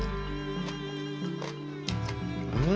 うん！